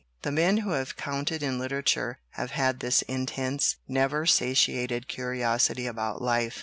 The men who have counted in litera ture have had this intense, never satiated curiosity about life.